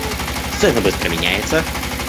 Сцена быстро меняется.